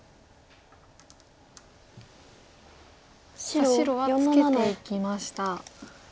さあ白はツケていきました。